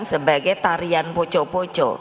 sebagai tarian poco poco